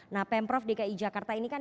nah pemprov dki jakarta ini kan